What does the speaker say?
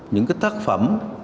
những cái tác phẩm